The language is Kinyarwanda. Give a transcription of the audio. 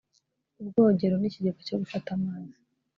ubwogero n’ikigega cyo gufata amazi